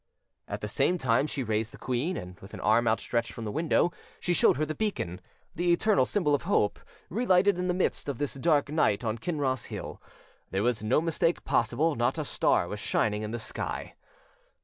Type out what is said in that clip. At the same time she raised the queen, and with arm outstretched from the window, she showed her the beacon, the eternal symbol of hope, relighted in the midst of this dark night on Kinross hill: there was no mistake possible, not a star was shining in the sky.